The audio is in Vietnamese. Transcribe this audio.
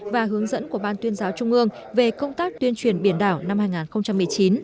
và hướng dẫn của ban tuyên giáo trung ương về công tác tuyên truyền biển đảo năm hai nghìn một mươi chín